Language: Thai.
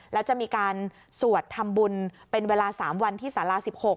แล้วจะมีการสวดทำบุญเป็นเวลา๓วันที่สารา๑๖